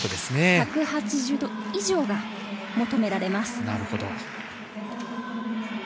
１８０度以上が求められます。